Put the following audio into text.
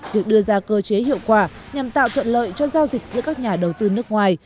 việc đưa ra cơ chế hiệu quả nhằm tạo thuận lợi cho giao dịch giữa các nhà đầu tư nước ngoài